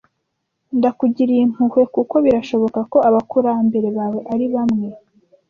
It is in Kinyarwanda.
ndakugiriye impuhwe kuko birashoboka ko abakurambere bawe ari bamwe